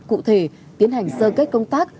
cụ thể tiến hành sơ kết công tác